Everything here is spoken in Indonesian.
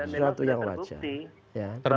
sesuatu yang wajar